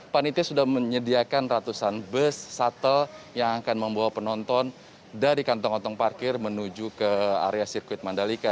panitia sudah menyediakan ratusan bus shuttle yang akan membawa penonton dari kantong kantong parkir menuju ke area sirkuit mandalika